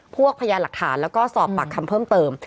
พยานหลักฐานแล้วก็สอบปากคำเพิ่มเติม